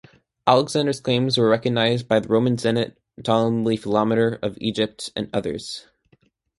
Alexander's claims were recognized by the Roman Senate, Ptolemy Philometor of Egypt and others.